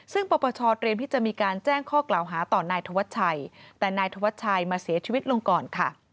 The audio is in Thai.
ซึ่งปปชเตรียมที่จะมีการแจ้งข้อกล่าวหาต่อนายธวัชชัยแต่นายธวัชชัยมาเสียชีวิตลงก่อนค่ะ